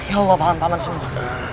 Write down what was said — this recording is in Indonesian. ya allah paham paham semua